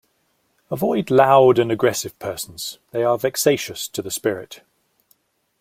Avoid loud and aggressive persons; they are vexatious to the spirit.